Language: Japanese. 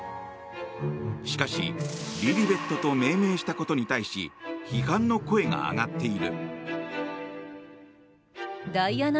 しかし、リリベットと命名したことに対して批判の声が上がっている。